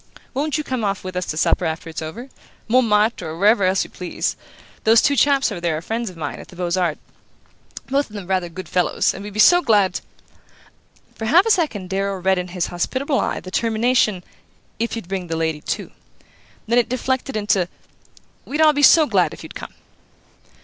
Won't you come off with us to supper after it's over? Montmartre, or wherever else you please. Those two chaps over there are friends of mine, at the Beaux Arts; both of them rather good fellows and we'd be so glad " For half a second Darrow read in his hospitable eye the termination "if you'd bring the lady too"; then it deflected into: "We'd all be so glad if you'd come."